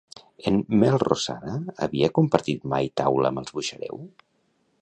En Melrosada havia compartit mai taula amb els Buxareu?